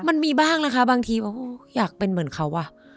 มันมีบ้างนะคะบางทีโอ้โหอยากเป็นเหมือนเขาว่ะ